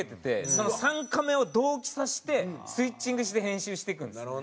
その３カメを同期させてスイッチングして編集していくんです。